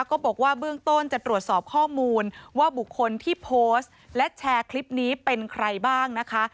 ก็บอกว่าเบื้องต้นจะตรวจสอบข้อมูลว่าบุคคลที่โพสต์และแชร์คลิปนี้เป็นใครบ้างนะคะ